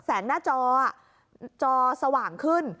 แสงหน้าจอจอสว่างขึ้น